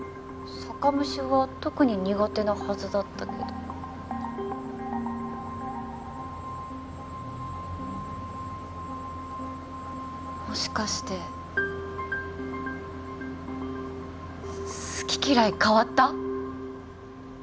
酒蒸しは特に苦手なはずだったけどもしかして好き嫌い変わった？